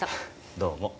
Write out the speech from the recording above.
どうも。